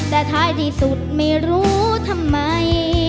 แต่ท้ายที่สุดไม่รู้ทำไม